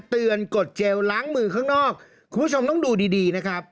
กดเจลล้างมือข้างนอกคุณผู้ชมต้องดูดีดีนะครับ